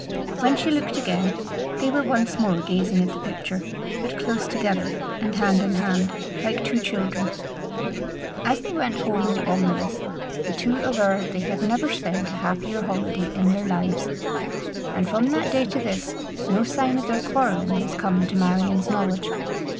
When she looked again, they were once more gazing at the picture, but close together, and hand in hand, like two children. As they went home in the omnibus, the two averred they had never spent a happier holiday in their lives; and from that day to this no sign of their quarrelling has come to Marion's knowledge.